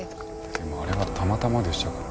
でもあれはたまたまでしたから。